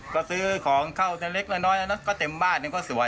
ก็ซื้อของเข้าเล็กก็เต็มบ้านก็สวย